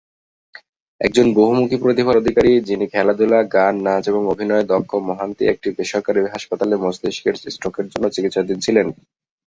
একজন বহুমুখী প্রতিভার অধিকারী, যিনি খেলাধুলা, গান, নাচ এবং অভিনয়ে দক্ষ মোহান্তি একটি বেসরকারি হাসপাতালে মস্তিষ্কের স্ট্রোকের জন্য চিকিৎসাধীন ছিলেন।